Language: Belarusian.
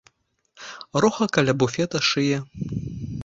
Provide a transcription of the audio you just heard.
Роха каля буфета шые.